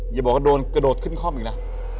อย่าบอกว่าโดนกระโดดขึ้นคล่อมอีกนะ